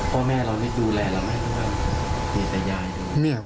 พ่อแม่เราไม่ดูแลไม่ได้ได้มีแต่ยาย